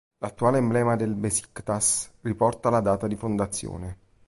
L'attuale emblema del Beşiktaş riporta la data di fondazione.